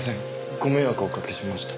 ご迷惑をおかけしました。